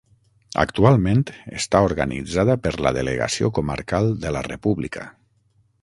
Actualment està organitzada per la Delegació Comarcal de la República.